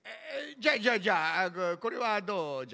じゃあじゃあじゃあこれはどうじゃ？